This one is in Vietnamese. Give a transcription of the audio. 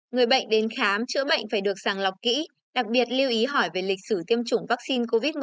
người bệnh đến khám chữa bệnh phải được sàng lọc kỹ đặc biệt lưu ý hỏi về lịch sử tiêm chủng vaccine covid một mươi chín